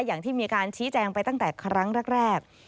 อย่างที่มีการชี้แจงไปตั้งแต่ครั้งแรก